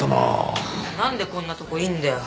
何でこんなとこいんだよ？